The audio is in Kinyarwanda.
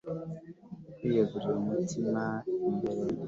kwiyegurira umutima imbere